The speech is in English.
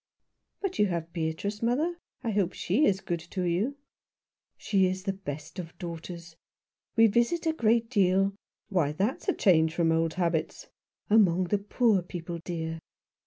"But you have Beatrice, mother. I hope she is good to you." " She is the best of daughters. We visit a great deal "" Why, that's a change from old habits." "Among the poor people, dear.